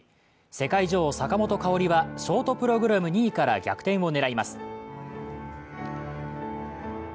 世界女王・坂本花織はショートプログラム２位から逆転を狙います。